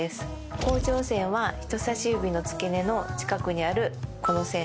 向上線は人さし指の付け根の近くにあるこの線。